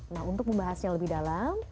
nah untuk membahasnya lebih dalam